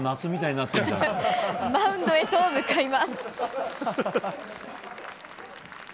マウンドへと向かいます。